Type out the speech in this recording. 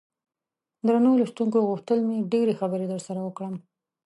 درنو لوستونکو غوښتل مې ډېرې خبرې درسره وکړم.